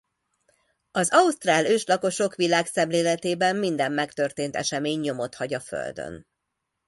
Az ausztrál őslakosok világszemléletében minden megtörtént esemény nyomot hagy a földön.